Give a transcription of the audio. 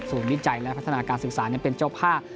สูญวิจัยและพัฒนาการศึกษาเป็นจบ๕